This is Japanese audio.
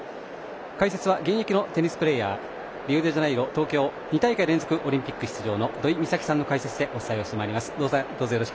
解説は現役のテニスプレーヤーリオデジャネイロ、東京２大会連続オリンピック出場の土居美咲さんの解説でお伝えをしてまいります。